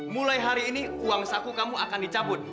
mulai hari ini uang saku kamu akan dicabut